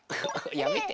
やめて。